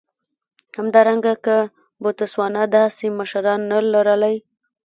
همدارنګه که بوتسوانا داسې مشران نه لر لای.